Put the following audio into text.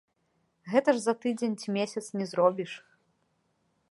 Гэта ж за тыдзень ці месяц не зробіш.